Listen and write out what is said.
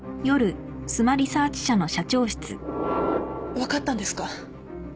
分かったんですか？